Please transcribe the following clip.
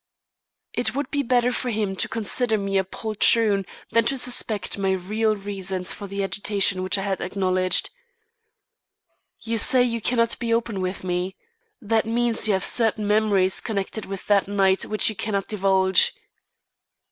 It would be better for him to consider me a poltroon than to suspect my real reasons for the agitation which I had acknowledged. "You say you cannot be open with me. That means you have certain memories connected with that night which you cannot divulge."